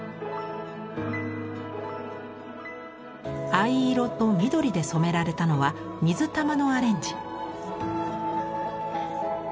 藍色と緑で染められたのは水玉のアレンジ。